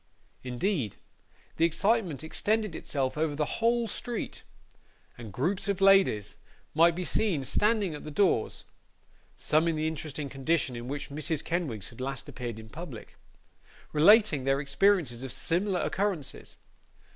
Indeed, the excitement extended itself over the whole street, and groups of ladies might be seen standing at the doors, (some in the interesting condition in which Mrs. Kenwigs had last appeared in public,) relating their experiences of similar occurrences.